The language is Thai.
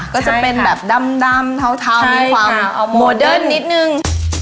ก็จะเป็นแบบดำเทามีความโมเดิร์นนิดนึง